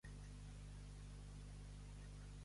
Ves a cobrar a can botifarra de la Roca.